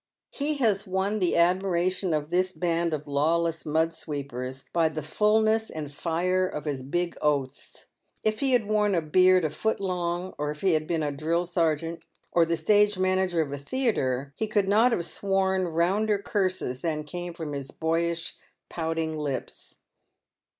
He has won the admiration of this band of lawless mud sweepers by the fulness and fire of his big oaths. If he had worn a beard a foot long, or if he had been a drill sergeant, or the stage u 98 PAYED WITH GOLD. manager of a theatre, he could not have sworn rounder curses than came from his boyish pouting lips.